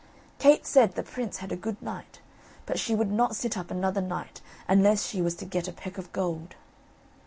Kate said the prince had a good night; but she would not sit up another night unless she was to get a peck of gold.